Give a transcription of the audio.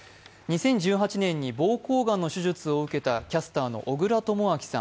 ２０１８年に膀胱がんの手術を受けたキャスターの小倉智昭さん